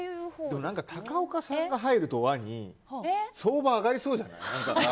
でも高岡さんが入ると、輪に相場、上がりそうじゃない？